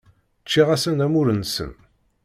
Ččiɣ-asen amur-nsen.